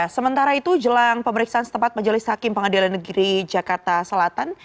sementara itu jelang pemeriksaan setempat majelis hakim pengadilan negeri jakarta selatan